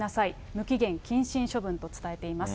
無期限謹慎処分と伝えています。